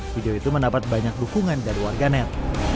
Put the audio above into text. video itu mendapat banyak dukungan dari warganet